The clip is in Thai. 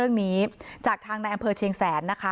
เรื่องนี้จากทางในอำเภอเชียงแสนนะคะ